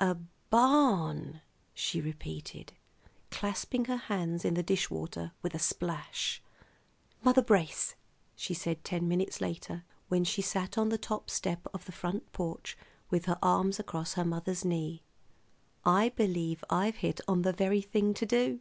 A barn!" she repeated, clasping her hands in the dish water with a splash. "Mother Brace," she said ten minutes later, when she sat on the top step of the front porch with her arms across her mother's knee. "I believe I've hit on the very thing to do.